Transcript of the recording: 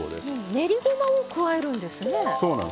練りごまを加えるんですね。